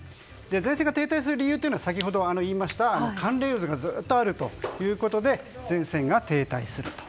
前線が停滞する理由は先ほど言いました寒冷渦がずっとあるということで前線が停滞すると。